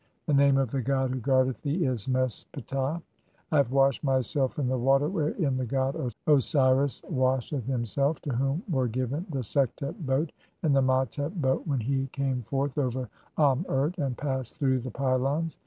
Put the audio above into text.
The "name of the god who guardeth thee is Mes Ptah. I have "washed myself in the water wherein the god Osiris (7) washeth "himself, to whom were given the Sektet boat and the Matet "boat when he came forth over Am urt, and passed through the "pylons.